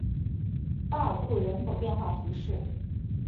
巴尔杜人口变化图示